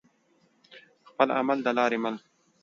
خپل عمل د لارې مل دى.